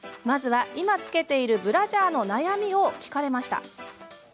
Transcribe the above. まずは、今、着けているブラジャーの悩みを聞かれました。